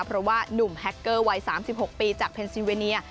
เพราะว่านุ่มแฮคเกอร์วัย๓๖ปีจากเพนซีเวเนีย